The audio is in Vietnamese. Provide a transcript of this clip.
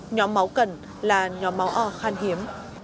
nhóm máu cần là nhóm máu o khan hiếm